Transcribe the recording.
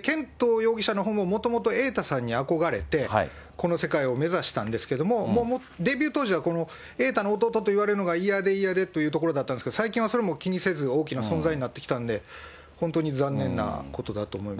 絢斗容疑者のほうも、もともと瑛太さんに憧れて、この世界を目指したんですけれども、デビュー当時は瑛太の弟と言われるのが嫌で嫌でというところだったんですけど、最近はそれも気にせず、大きな存在になってきたんで、本当に残念なことだと思います。